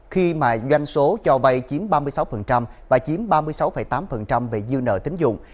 khi mà doanh số cho vay chiếm ba mươi sáu và chiếm ba mươi sáu tám về dư nợ tính dụng